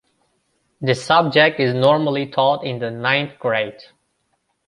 This subject is normally taught in the ninth grade.